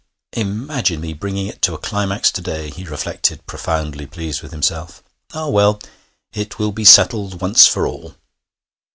'Imagine me bringing it to a climax to day,' he reflected, profoundly pleased with himself. 'Ah well, it will be settled once for all!'